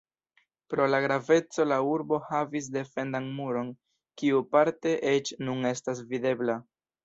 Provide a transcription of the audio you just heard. Pro la graveco la urbo havis defendan muron, kiu parte eĉ nun estas videbla.